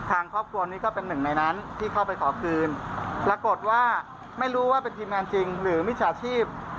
แล้วกดว่าไม่รู้ว่าเป็นทีมงานจริงหรือมิจฉาชีพ